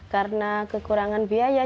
karena kekurangan biaya